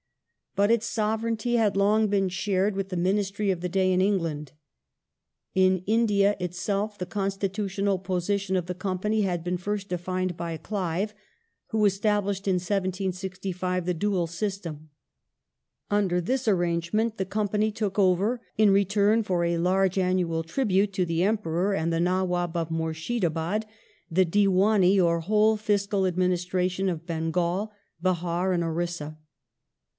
But its sovereignty had long been shared with the Ministry of the day in England. In India itself the constitutional position of the Company had been first defined by Clive who established in 1765 the '* Dual System ". Under this arrangement the Company took over, in return for a large annual tribute to the Emperor and to the Nawab of Murshidabad, the Diwdni or whole fiscal administra tion of Bengal, Behar, and Orissa.